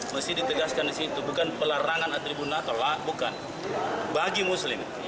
mesti ditegaskan disitu bukan pelarangan atribut natal lah bukan bagi muslim